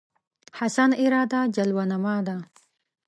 حسن اراده جلوه نما ده